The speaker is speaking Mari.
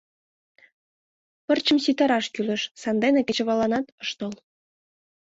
Пырчым ситараш кӱлеш, сандене кечывалланат ыш тол.